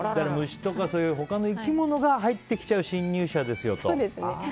虫とかそういう生き物が入ってきちゃう、侵入者ですよと。